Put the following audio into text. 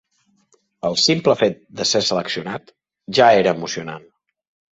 El simple fet de ser seleccionat ja era emocionant.